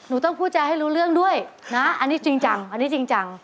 ต้องพูดจาให้รู้เรื่องด้วยนะอันนี้จริงจังอันนี้จริงจัง